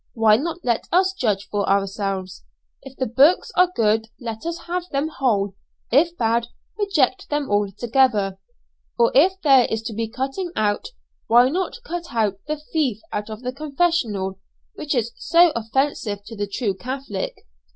why not let us judge for ourselves? If the books are good let us have them whole; if bad, reject them altogether; or if there is to be cutting out, why not cut out 'The Thief out of the Confessional,' which is so offensive to the true Catholic?"